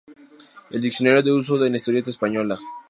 El "Diccionario de uso de la Historieta española.